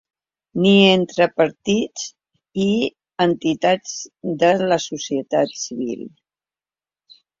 Ni entre partits i entitats de la societat civil.